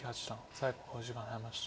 最後の考慮時間に入りました。